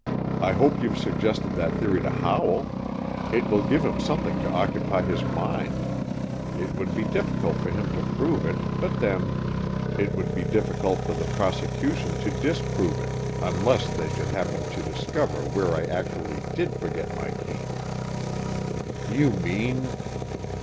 I hope you've suggested that theory to Howell. It will give him something to occupy his mind. It would be difficult for him to prove it, but then. It would be difficult for the prosecution to disprove it unless they should happen to discover where I actually did forget my cane." "You mean